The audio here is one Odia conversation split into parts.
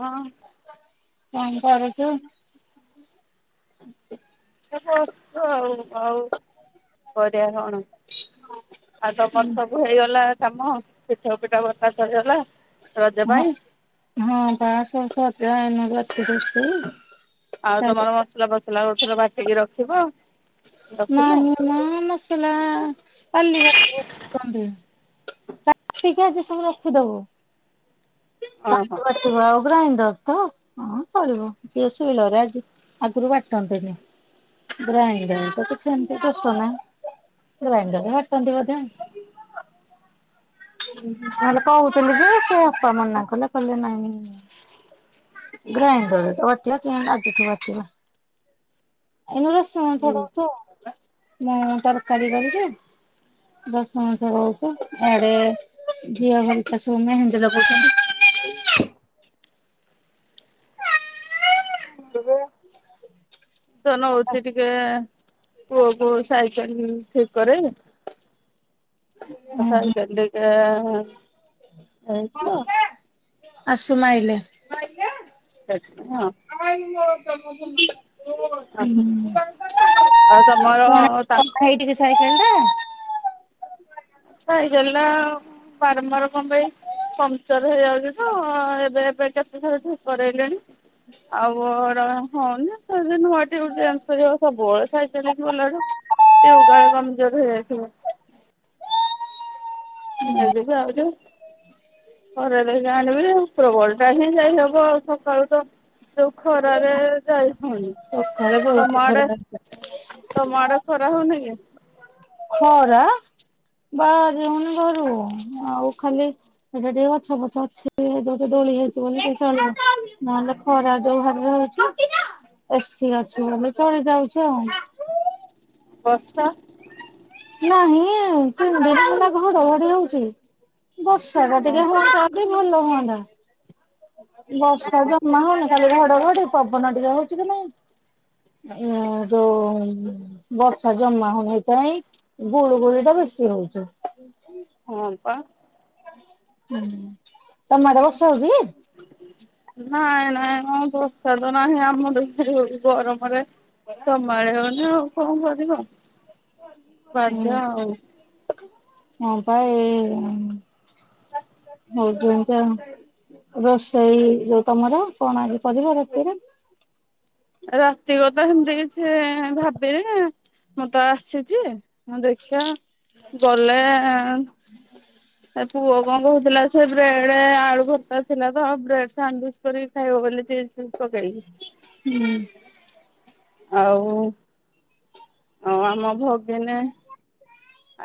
ହଁ। କଣ କରୁଚୁ? ଏଇ ବସଚି ତ କରିବା କଣ? ଆଉ ତମର ସବୁ ହେଇଗଲା କାମ ପିଠଉ ପିଠା ବସା ସରିଗଲା? ରଜ ହଁ ପାଇଁ ହଁ ବା ସ ସଯହେଇ ନଥିଲା [unintelligible] ଆଉ ତମର ମସଲା ଫସଲା କୋଉଥିରେ ବାଟିକି ରଖିବ? ରଖିଲ ନାହିଁ ମା ମସଲା କାଲି ବାଟିବୁ କଣ୍ଟେ। ଵାଛିକି ଆଜି ସବୁ ରଖିଦବୁ। ହଁ କାଲି ହଁ। ବାଟିବ ଆଉ ପୁରା ଇଂଦସ୍ତ ତ ହଁ ଚଳିବ କିଏ ଶୋଇଲରେ ଆଜି? ଆଗରୁ ବାଟନ୍ତନି। ଗ୍ରାଇ ଗ୍ରାଇଣ୍ଡ କିଛି ଏମତି ଅସ ନା ଗ୍ରାଇଣ୍ଡରେ ତ ବାଟନ୍ତି ବୋଧେ। ହୁଁ ହୁଁ। ଆମେ କହୁଥିଲୁ କି ସେ ଅପା ମନା କଲେ କହିଲେ ନାଇଁ। ଗ୍ରାଇଣ୍ଡରେ ତ ବାଟିଵା କିଆଁ ଆଜିଠୁ ବାଟିବ ଏ ହଁ ଛାଡ଼ନ୍ତୁ ଆଉ ବାସ। ମୋ ଅଣ୍ଟାରେ ଚାଲିପାରୁଚୁ ତରକାରୀ ଦଶ ମାସ କହୁଛ। ଏ ଝିଅ କହୁଛି [unintelligible] ସବୁ ମେହେନ୍ଦି [unintelligible] ଏଇ କେବେ ତ ନୋଉଚି ଟିକେ ପୁଅକୁ ସାଇକେଲ ଠିକ କରେ ଓହୋ ରସାଚାଲିକା। ଆସେ। ଆସୁ ମାଇଲେ। ମାଇଲା। ସେଠ ହଁ [unintelligible] ଆଉ ତମର ତା ଭାଇ ଟିକେ ସାଇକେଲ ଟା ସାଇକେଲ ଟା ବାରମ୍ବାର କଁ ପାଇଁ ପଙ୍ଗଚର ହେଇଯାଉଚି ତ ଏବେ ଏବେ କେତେ ଥର ଠିକ କରରେଇଲେଣି। ଆଉ ଅଡନା ହଉନା। ସେନୁଆଟେ ଗେ ଜ ସବୁ ବଳ ସାଇଚ କିି ଗଲାଠୁ। ସେ ଉ ଗାଳ କମଜୋର ହେଇଯାଇଥିଲା। ଏବେ ଯାଉଚୁ। ଘରେ ଦେଇକି ଆଣିବି ଉପରବଳ ଟା ହିଁ ଯାଇହବ ଆଉ ସକାଳୁ ତ ଯୋଉ ଖରାରେ ଯାଇ ହଉନି। ସଖାଳେ ତମ ଆଡେ [inaudible] ତମ ଆଡେ ଖରା ହଉନି କି? ଖରା ବାହାରି ହଉନି ଘରୁ। ଆଉ ଖାଲି ସେଇଟା ଟିକେ ଗଛ ଫଛ ଅଛି [unintelligible] ଦୋ-ଦୋ-ଦୋଳି ହେଇଛି ବୋଲି ଟିକେ ଚଳି ନହେଲେ ଖରା ଯୋଉ ଭାବରେ ହଉଛି ଏସିି ଅଛି ବୋଲି ଚଳି ଯାଉଛି ଆଉ। ବର୍ଷା? ନାହିଁ ତିନି ଦିନ ହେଲା ଘଡଘଡି ହଉଛି। ବର୍ଷାଟା ହଁ ଟିକେ ହୁଅନ୍ତା ଯଦି ଭଲ ହୁଅନ୍ତା। ବର୍ଷା ଜମା ହଉନାହିଁ। ଖାଲି ଘଡଘଡି ପବନ ଟିକେ ହଉଛି କି ନାଇଁ। ଏଁ ଯୋଉ ବର୍ଷା ଜମା ହଉନି ସେଇଥିପାଇଁ ଗୁଳୁଗୁଳିଟା ବେଶି ହଉଛି। [inaudible] ହଁ ପା। ହୁଁ ତମ ଆଡେ ବର୍ଷା ହଉଛି? ନାଇଁ ନାଇଁ ହଁ ବର୍ଷା ତ ନାହିଁ ଆମ [unintelligible] ଗରମରେ ତମ ଆଡେ ହଉନି ଆଉ କଣ କରିବ? ବାଧ୍ୟ ହୁଁ ଆଉ। ହଁ ବା ଏଇ। ହଉଚି ଏମିତି ଆଉ। ରୋଷେଇ ଯୋଉ ତମର କଣ ଆଜି କରିବ ରାତିରେ? ରାତି କଥା ସେମିତି କିଛି ଭାବିନି। ମୁଁ ତ ଆସିଛି। ହଁ ଦେଖିବା ଗଲେ ଏଁ ହୁଁ। ଏ ପୁଅ କଣ କହୁଥିଲା ସେ ବ୍ରେଡ ଆଳୁ ଭର୍ତ୍ତା ଥିଲା ତ ଆଉ ବ୍ରେଡ୍ ସାଣ୍ଡୁଇଚ୍ କରିକି ଖାଇବ ବୋଲି ଚିଜ୍ ଫିଜ୍ ପକେଇକି। ହୁଁ। ଆଉ ଅଁ ଆମ ଭଗିନି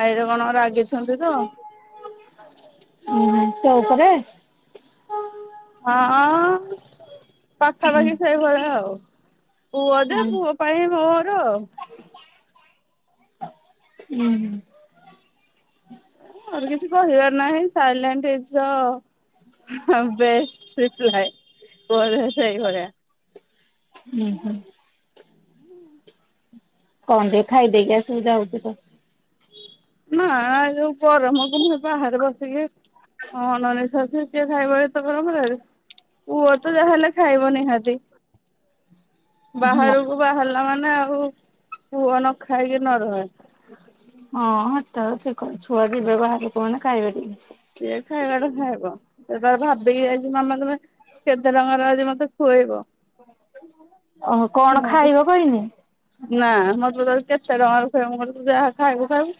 ଆଇରେ କଣ ରାଗିଛନ୍ତି ତ। ଉଁ ତୋ ଉପରେ? ହଁ ଉଁ ଉଁ ପାଖାପାଖି ସେଇଭଳିଆ ଆଉ। ପୁଅ ଯେ ଉଁ ପୁଅ ପାଇଁ ମୋର ଆଉ। ଉଁହୁଁ। ମୋର କିଛି କହିବାର ନାହିଁ ସାଇଲେଣ୍ଟ ଇଜ୍ ଦ ହଁ ବେଷ୍ଟ ରିପ୍ଲାଏ କୁହ [unintelligible] ସେଇଭଳିଆ। ଉଁହୁଁ। କଣ ଟିକେ ଖାଇଦେଇକି ଆସିବୁ ଯାଉଛୁ ତ। ନା ଏଇ ଯୋଉ ଗରମକୁ ମୁଁ ସେ ବାହାରେ ବସିକି ଅଣନିଃଶ୍ବାସୀ କିଏ ଖାଇବ ଏତେ ଗରମରେ। ପୁଅ ତ ଯାହାହେଲେ ଖାଇବ ନିହାତି। ହଁ। ବାହାରୁକୁ ବାହାରିଲା ମାନେ ଆଉ ପୁଅ ନ ଖାଇକି ନ ରହେ। ହଁ [unintelligible] ଛୁଆ ଯିବେ ବାହାରୁକୁ ମାନେ ଖାଇବେ ଟିକେ। ସିଏ ଖାଇବା ଟା ଖାଇବ। ସେ ତାର ଭାବିକି ଯାଇଛି ମାମା ତମେ କେତେ ଟଙ୍କାର ଆଜି ମତେ ଖୁଏଇବ? ଓହୋ କଣ ମୁଁ ଖାଇବ କହିନି? ନା ମତେ ତ କେତେ ଟଙ୍କାର ଖଇବୁ ମୁଁ କହିଲି ତୁ ଯାହା ଖାଇବୁ ଖାଇବୁ।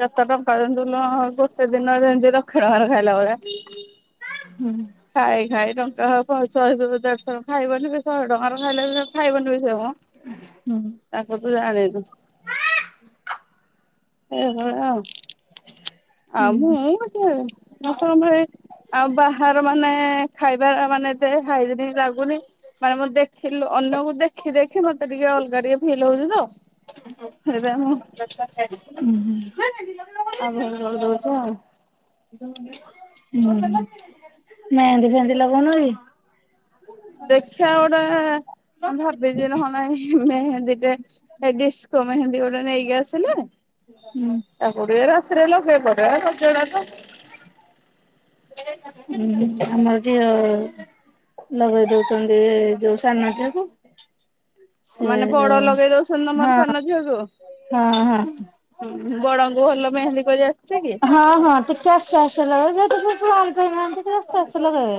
କେତେ ଟଙ୍କା ଦିଅନ୍ତୁ ନୁ ଗୋତେ ଦିନ ଯେନ୍ତି ଲକ୍ଷେ ଟଙ୍କାରେ ଖାଇଲା ଭଳିଆ। ହୁଁ। ଖାଇ ଖାଇ ଟଙ୍କା ପଞ୍ଚହ ଦେଢଶହ ଟଙ୍କା ଖାଇବନି ଶହେ ଟଙ୍କାର ଖାଇଲେ ଖାଇବନି ସେ ମ ହୁଁ। ତାକୁ ତୁ ଜାଣିନୁ। ଏଭଳିଆ ଆଉ ହୁଁ ଆଉ ମୁଁ କଥା ହେବିନି [unintelligible] ଆଉ ବାହାର ମାନେ ଖାଇବା ମାନେ ଦେ ହାଇ ଯଦି ଲାଗୁନି ମାନେ ମୁଁ ଦେଖିଲୁ ଅନ୍ୟକୁ ଦେଖ ଦେଖି ଦେଖି ମତେ ଟିକେ ଅଲଗା ଟିକେ ଫିଲ୍ ହଉଛି ତ ସେଇଥି ପାଇ ମୁଁ ହୁଁ ଆଉ [unintelligible] ଆଉ ମେହେନ୍ଦୀ ଫେନ୍ଦି ଲଗଉନ କି? ଦେଖିବା ଗୋଟା ଭାବିଛି ନହ ନାହିଁ ମେହେନ୍ଦୀଟେ ଏ ଡିସ୍କୋ ମେହେନ୍ଦି ଗୋଟେ ନେଇକି ଆସିଲେ। ହୁଁ। ତାକୁ ଟିକେ ରାତିରେ ଲଗେଇ ପଡେ ରଜଡା ତ। ହଁ ଆମ ଝିଅ ଲଗେଇ ଦଉଛନ୍ତି ଯୋଉ ସାନ ଝିଏ କୁ। ମାନେ ବଡ ଲଗେଇ ଦଉଛନ୍ତି [unintelligible] ହଁ ସାନ ଝିଅକୁୁ। ହଁ ହଁ। ହୁଁ ବଡଙ୍କୁ ଭଲ ମେହେନ୍ଦୀ କରି ଆସୁଛି କି? ହଁ ହଁ ଟିକେ ଆସ୍ତେ ଆସ୍ତେ ଲଗେ [unintelligible] ଆସ୍ତେ ଆସ୍ତେ ଲଗେଇବେ।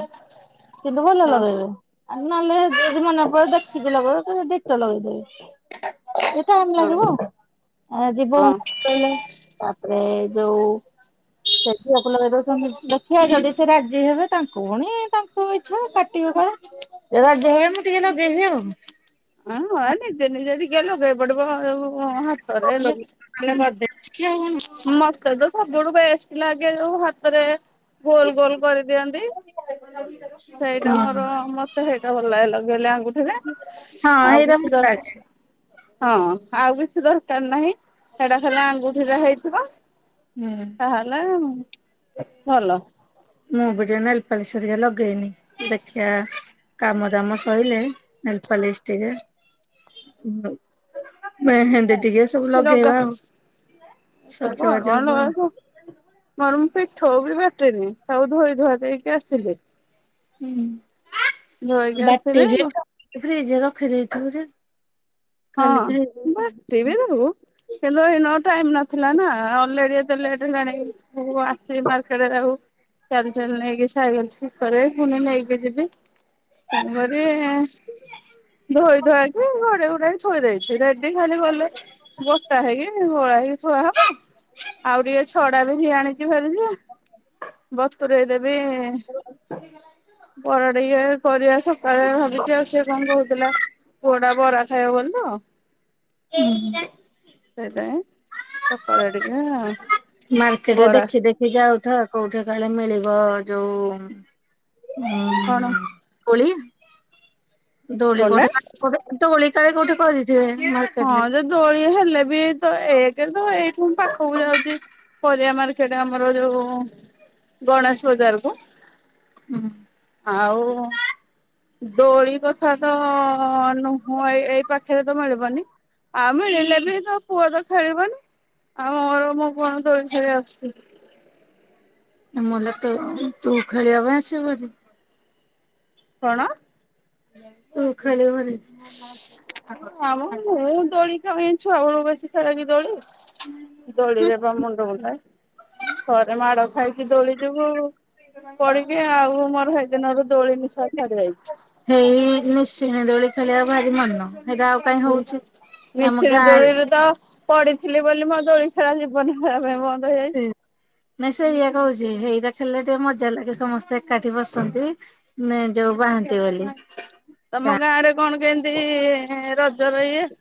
କିନ୍ତୁ ଭଲ ହଁ ଲଗେଇବେ ଆ ନହେଲେ ଯଦି ମନେ ପରେ ଦେଖିକି ଲଗେଇ ପୁରା ଡିଟୋ ଲଗେଇଦେବେ। ଟାଇମ ହଁ ଲାଗିବ ଆଉ ଆଜି ହଁ। [unintelligible] ତାପରେ। ଯଉ ସେ ଝିଅକୁ ଲଗେଇ ଦଉଛନ୍ତି ଦେଖିବା ଯଦି ସେ ରାଜି ହେବେ ତାଙ୍କୁ ପୁଣି ତା ତାଙ୍କ ଇଛା [unintelligible] ରାଜି ହେଲେ ମୁଁ ଟିକେ ଲଗେଇବି ଆଉ। ହଁ ନିଜେ ନିଜେ ଟିକେ ଲଗେଇ ପଡିବ ଯଉ ହା ତରେ ନହେଲେ ଲେ ହଁ କରିଦେବି ଆଉ। ମତ ମତେ ତ ସବୁଠୁ ବେଷ୍ଟ ଲାଗେ ଯୋଉ ହାତରେ ଗୋଲ ଗୋଲ କରିଦିଅନ୍ତି। ସେଇଟା ହଁ ମୋର ମତେ ହେଇଟା ଭଲ ଲାଗେ ଲାଗେଇଲେ ଆଙ୍ଗୁଠିରେ। ହଁ ଆଉ ଏଇଟା କିଛି ଭଲ ଲାଗେ। ଦରକାର ହଁ ଆଉ କିଛି ଦରକାର ନାହିଁ। ହେଟା ହେଲେ ଆଙ୍ଗୁଠିରେ ହେଇଥିବ। ହୁଁ। ତାହେଲେ ଭଲ। ମୁଁ ବି ଟିଏ ନେଲ ପଲିଶ ହେରିକା ଲଗେଇନି ଦେଖିଆ। କାମ ଦାମ ସଇଲେ ନେଲପଲିଶ ଟିକେ ମେହେନ୍ଦି ଟିକେ ସବୁ ଲ ଲଗା [unintelligible] ହବା ଆଉ ମର ମୁଁ ପୀଠଉ ବି ବାଟିନି ସବୁ ଧୋଇ ଧୁଆ ଦେଇକି ଆସିଲି। ଧୋଇକି ହୁଁ ବାଟି ଆସିଲି ହଁ ଫ୍ରିଜ ରଖିଦେଇଥିବ ଯେ ହଁ କାଲିକି ହେଇଯିବ। ବି ଦବୁ। କିନ୍ତୁ ଏଇନୁ ଆଉ ଟାଇମ ନଥିଲା ନା ଅଲରେଡି ଏତେ ଲେଟ ହେଲାଣି। ମୁଁ ଆସିବି ମାର୍କେଟରେ ଆଉ। ଚାଲ ଚାଲ ନେଇକି [unintelligible] କରେ ପୁଣି ନେଇକି ଯିବି। ତେଣୁ କରିରି ଧୋଇ ଧୁଆ କି ଘଡେଇ ଘୁଡାକି ଥୋଇ ଦେଇେଇଛି ରେଡି ଖାଲି ଗଲେ ବଟା ହେଇକି ଗୋଳା ହେଇକି ଥୁଆ ହବ। ଆଉ ଟିକେ ଛଡା ବି ଭିଆଣିିକି ଭେରିଲେ ବତୁରେଇ ଦେବି ପଡିଏ କରିବା ସକାଳେ ଭାବିଛି ଆଉ ସଏ କଣ କହୁଥିଲା। ପୁଅ ଟା ବରା ଖାଇ ବୋଲି ତ। [unintelligible] ସେଇଥି ପାଇଁ ସକାଳୁ ଆ ଟିକେ। ମାର୍କେଟରେ ବରା ଦେଖି ଦେଖି ଯାଉଥା କୋଉଠି କାଳେ ମିଳିବ ଯୋଉ ଉଁ କଣ? କୋଳି? ଦୋଳି କଣ କୋଠି ଟା [unintelligible] ଦୋଳିି କାଇଁ କୋଉଠି କରିଛେ। ହଁ ଯେ ଦୋଳି ହେଲେ ବି ତ ଏକେରେ ତ ଏଇଠୁ ପାଖକୁ ଯାଉଛି। ପାରିବା ମାର୍କେଟ ଆମର ଯୋଉ। ଗଣେଶ ବଜାର କୁ ହୁଁ ଆଉ ଦୋଳି କଥା ତ ନୁହଁ ଏ ଏଇ ପାଖରେ ତ ମିଳିବନି। ଆଉ ମିଳିଲେ ବି ତୋ ପୁଅ ତ ଖେଳିବନି ଆଉ ମୋର ମୁଁ କଣ ଦୋଳି ଖେଳି ଆସିଛି। ମଲା ତୁ ତୁ ଖେଳିିବା ପାଇଁ ଆସିବୋନି? କଣ? ତୁ ଖାଳି ମନି ଆଉ ମୁଁ ଦୋଳି ଖେଳିବିନି ଛୁଆ ବେଳକୁ ବେଶି ଖ କି ଦୋଳି। ଦୋଳିରେ ବା ମୁଣ୍ଡ ମୁୁଣ୍ଡା ଥରେ ମାଡ ଖାଇକି ଦୋଳି ଯୋଗୁ। ପଡିକି ଆଉ ମୋର ସେଇଦିନରୁ ଦୋଳି ମିଶା ଛାଡି ଯାଇଛି। ହେଇ ନିଶୀନି ଦୋଳି ଖେଳିବାକୁ ଭାରି ମନ ହେଇଟା ଆଉ। କାହିଁ ହଉଛି। ହଁ ଆମ ନିଶିନୀ ଗାଁରେ ଧୋଳି ରେ ତ ପଢଥିଲି ବୋଲି ମୋ ଦୋଳି ଖେଳା ଜୀବନି ଖରାପ ହବ ସେ ନାଇଁ ସେ ଏଇଆ କହୁଛି ହେଇରା ଖେଳିଲେ ଟିକେ ମଜା ଲାଗେ ସମସ୍ତେ ଏକାଠି ବସନ୍ତି। ନାଇଁ ଯୋଉ ବହାନ୍ତି ବୋଲି। ତମ ଗାଁ ରେ କଣ କେମିତି ରଜର ଇଏ?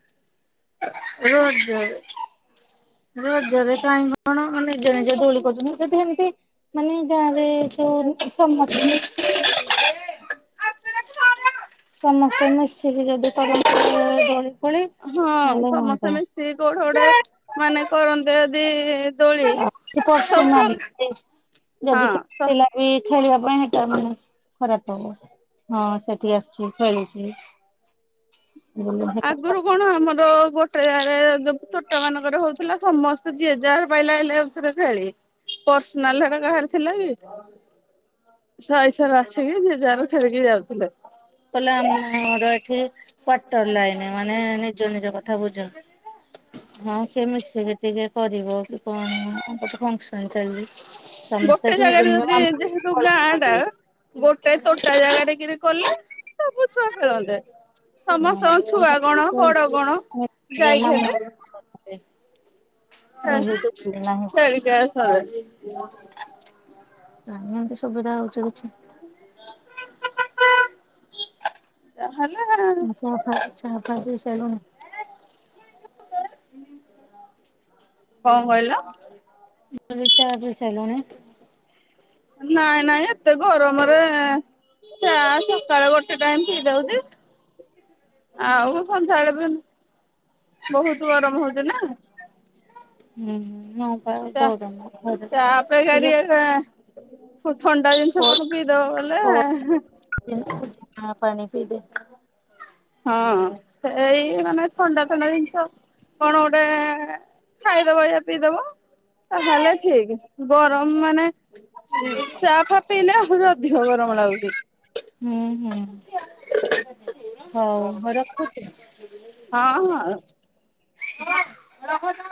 ରଜରେ। ରଜରେ କାଇଁ କଣ ନିଜେ ନିଜେ ଦୋଳି କରୁଛନ୍ତି ଯି ସେମିତି ମାନେ ଗାଁ ରେ ଯୋଉ ସମସ୍ତିଙ୍କି ସମସ୍ତେ ମିଶିକି ଯଦି କରନ୍ତେ ଦୋଳି ଫୋଳି ହଁ ତାହେଲେ ସମସ୍ତେ ହୁଅନ୍ତା। ମିଶିକି କୋଉଠେ ଗୋଟେ ମାନେ କରନ୍ତେ ଯଦି ଦୋଳି [unintelligible] ସବୁ ଯଦି ପ୍ରକା କି ବି ହଁ ଖେଳିବା ସ ପାଇଁ ସେଇଟା ମାନେ ଖରାପ ହବ। ହଁ ସେଠି ଆସୁଛି ଚଳିଛି। ଆଗରୁ କଣ ଆମର ଗୋ ସେୟାର ଯ ତୋଟା ମାନଙ୍କର ହଉଥିଲା ସମସ୍ତେ ଯିଏ ଯା ପାଇଲା ହେଲେ ଯାଉଥିଲେ ଖେଳି। ପର୍ସନାଲ ହେଟା କାହାର ଥିଲା କି? ସାଇସାରା ଆସିକି ଯିଏ ଯାହା ଖେଳିକି ଯାଉଥିଲେ। କହିଲା ମୋର ଏଠି କ୍ୱାର୍ଟଏର ଲାଇନ ମାନେ ନିଜ ନିଜ କଥା ବୁଝ ହଁ କିଏ ମିଶିକି ଟିକେ କରିବ କି କଣ ସମସ୍ତେ ଫ [unintelligible] ଗୋଟେ ଜାଗା ରେ ଯଦି ଯେହେତୁ ଗାଁ ଟା ନାହିଁ ଗୋଟେ ତୋଟା ଜାଗାାରେ କି କଲେ ସବୁ ଛୁଆ ଖେଳନ୍ତେ। ସମସ୍ତଙ୍କ ଛୁଆ କଣ ବଡ କଣ ଯାଇକି ହେବେ। [unintelligible] [unintelligible] କାଇଁ ଏମିତି ସୁବିଧା ହଉଚି କିଛି ହଲା ଆଉ। ଚା ଫା ଖାଇ ପିଇ ସାଇଲୁଣୁ? କଣ କହିଲ? ମୁଁ କହିଲି ଚା ଖାଇ ସାରିଲୁଣି? ନାଇଁ ନାଇଁ ଏତେ ଗରମରେ ଚା ସକାଳ ଗୋଟେ ଟାଇମ ପିଇଦଉଛି। ଆଉ ସନ୍ଧ୍ୟାବେଳେ ବି ବହୁତ ଗରମ ହଉଛି ନା। ହୁଁ ହୁଁ ହଁ। [unintelligible] କଣ ଥଣ୍ଡା ଜିନିଷ କଣ ପିଇଦବା କୁ ଗଲା। [unintelligible] ପାଣି ପିଇବେ। ହଁ ଏଇ ମାନେ ଥଣ୍ଡା ଥଣ୍ଡା ଜିନିଷ କଣ ଗୋଟେ ଖାଇଦବ ଇଏ ପିଇଦବ। ତାହେଲେ ଠିକ ଗରମ ମାନେ ଚା ଫା ପିଇଲେ ଆହୁରି ଅଧିକ ଗରମ ଲାଗୁଛି। ହୁଁ ହୁଁ ହଉ ରଖୁଛି। ହଁ ହଁ। [unintelligible]